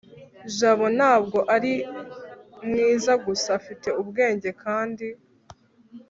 jabo ntabwo ari mwiza gusa, afite ubwenge, kandi